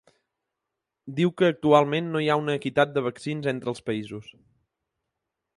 Diu que actualment no hi ha una equitat de vaccins entre els països.